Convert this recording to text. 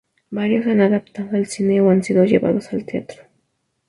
Varios se han adaptado al cine o han sido llevados al teatro.